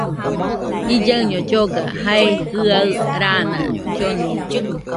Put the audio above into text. Illaiño lloga, jae jɨaɨ raana llonide